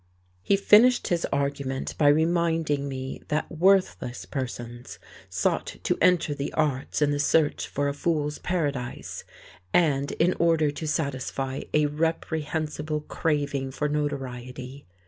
He finished his argument by reminding me that worthless persons sought to enter the arts in the search for a fool's paradise, and in order to satisfy a reprehensible craving for notoriety.